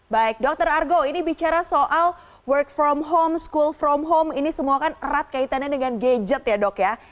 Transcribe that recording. baik dokter argo ini bicara soal work from home school from home ini semua kan erat kaitannya dengan gadget ya dok ya